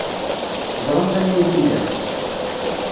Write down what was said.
Teẓramt anwa ay t-ilan.